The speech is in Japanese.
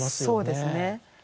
そうですね。